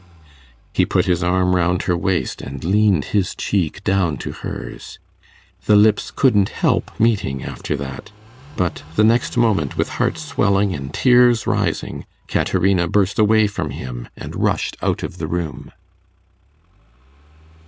He put his arm round her waist, and leaned his cheek down to hers. The lips couldn't help meeting after that; but the next moment, with heart swelling and tears rising, Caterina burst away from him, and rushed out of the room.